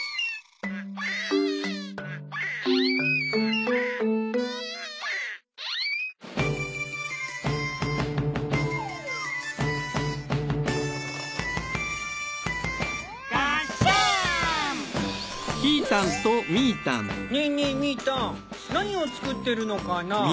ねえねえみーたん何を作ってるのかな？